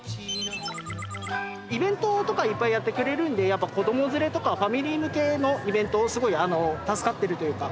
イベントとかいっぱいやってくれるんでやっぱ子ども連れとかファミリー向けのイベントをすごい助かってるというか。